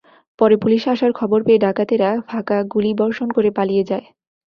পরে পুলিশ আসার খবর পেয়ে ডাকাতেরা ফাঁকা গুলিবর্ষণ করে পালিয়ে যায়।